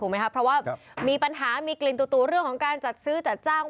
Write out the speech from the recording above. เพราะว่ามีปัญหามีกลิ่นตู่เรื่องของการจัดซื้อจัดจ้าง